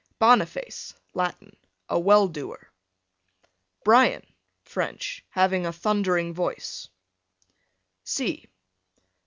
Boniface, Latin, a well doer. Brian, French, having a thundering voice.